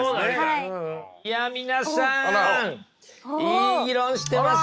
いや皆さんいい議論してますね。